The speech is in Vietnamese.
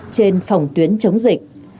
trên phòng tuyến chống dịch